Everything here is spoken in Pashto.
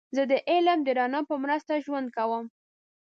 زه د علم د رڼا په مرسته ژوند کوم.